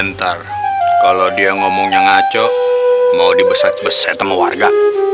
ntar kalau dia ngomongnya ngaco mau dibeset besek sama warga